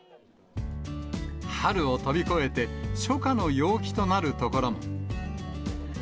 春を飛び越えて、初夏の陽気となる所も。